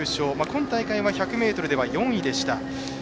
今大会は１００ｍでは４位でした。